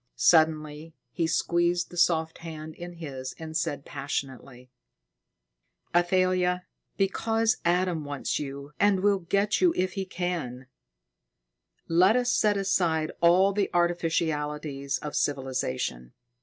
Suddenly he squeezed the soft hand in his and said passionately: "Athalia! Because Adam wants you and will get you if he can, let us set aside all the artificialities of civilization.